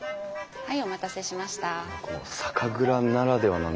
はい。